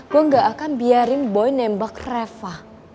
gue ga akan biarin boy nembak reva